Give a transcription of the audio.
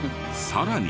さらに。